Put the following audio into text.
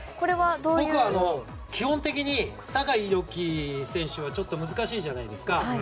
基本的に酒井宏樹選手はちょっと難しいじゃないですか。